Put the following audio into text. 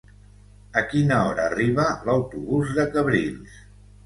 A quina hora arriba l'autobús de Cabrils?